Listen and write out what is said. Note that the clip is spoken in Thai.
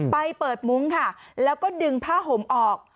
ไปเปิดมุ้งค่ะแล้วก็ดึงผ้าห่มออก